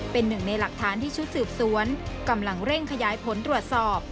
เป็นหนึ่งในหลักฐานที่ชุดสืบสวนกำลังเร่งขยายผลตรวจสอบ